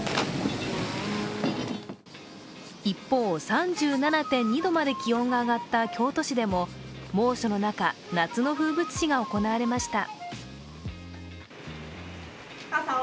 一方、３７．２度まで気温が上がった京都市でも猛暑の中、夏の風物詩が行われました。